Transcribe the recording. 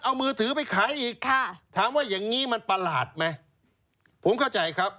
เอามือถือไปขายอีกค่ะถามว่าอย่างงี้มันประหลาดไหมผมเข้าใจครับ